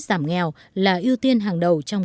giảm nghèo là ưu tiên hàng đầu trong